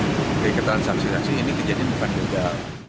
sebagai keterangan saksi saksi ini kejadian bukan juga